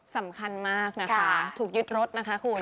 สำคัญมากนะคะถูกยึดรถนะคะคุณ